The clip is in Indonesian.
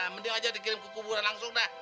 mending aja dikirim ke kuburan langsung dah